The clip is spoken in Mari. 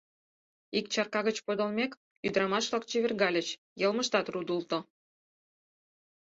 Ик чарка гыч подылмек, ӱдрамаш-влак чевергальыч, йылмыштат рудылто.